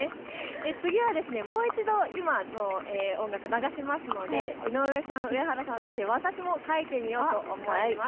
次はもう一度、今の音楽、流しますので井上さん、上原さん、そして私も描いてみようと思います。